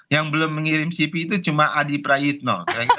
yang belum mengirim cp itu cuma adi prayitno